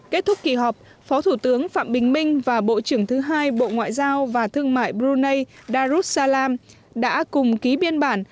kết thúc kỳ họp phó thủ tướng phạm bình minh và bộ trưởng thứ hai bộ ngoại giao và thương mại brunei darussalam đã cùng ký biên bản